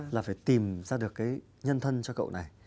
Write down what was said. là phải tìm ra được cái nhân thân cho cậu này